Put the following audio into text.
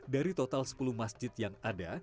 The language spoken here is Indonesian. dari total sepuluh masjid yang ada